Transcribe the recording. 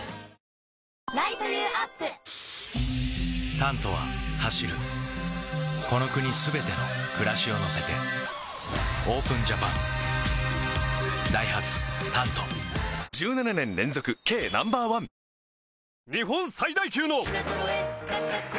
「タント」は走るこの国すべての暮らしを乗せてＯＰＥＮＪＡＰＡＮダイハツ「タント」１７年連続軽ナンバーワンベイクド！